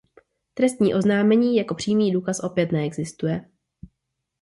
Trestní oznámení jako přímý důkaz opět neexistuje.